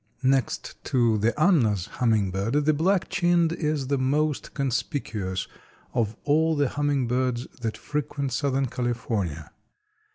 Next to the Anna's hummingbird, the Black chinned is the most conspicuous of all the hummingbirds that frequent southern California.